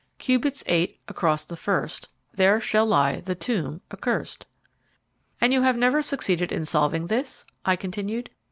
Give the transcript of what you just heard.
Cubits eight across the first There shall lie the tomb accurst. "And you have never succeeded in solving this?" I continued.